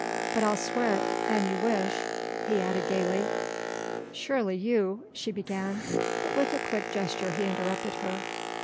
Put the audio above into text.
But I'll swear an you wish ..." he added gaily. "Surely you ..." she began. But with a quick gesture he interrupted her.